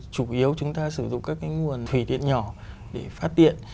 chủ yếu chúng ta sử dụng các nguồn thủy điện nhỏ để phát điện